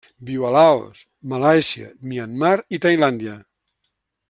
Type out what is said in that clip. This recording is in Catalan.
Viu a Laos, Malàisia, Myanmar i Tailàndia.